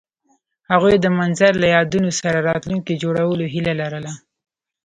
هغوی د منظر له یادونو سره راتلونکی جوړولو هیله لرله.